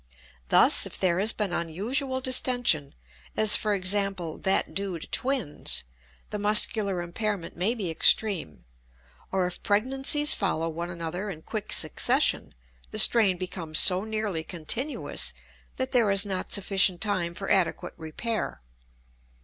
Thus, if there has been unusual distention, as, for example, that due to twins, the muscular impairment may be extreme; or if pregnancies follow one another in quick succession the strain becomes so nearly continuous that there is not sufficient time for adequate repair.